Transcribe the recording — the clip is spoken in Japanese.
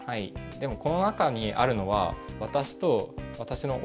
でもこの中にあるのは私と私の弟が大会で。